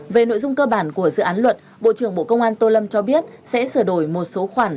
về nội dung cơ bản của dự án luật bộ trưởng bộ công an tô lâm cho biết sẽ sửa đổi một số khoản